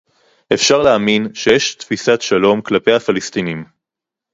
אפשר להאמין שיש תפיסת שלום כלפי הפלסטינים